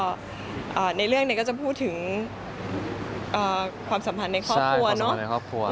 อ่าในเรื่องเนี้ยก็จะพูดถึงอ่าความสัมพันธ์ในครอบครัวเนอะความสัมพันธ์ในครอบครัว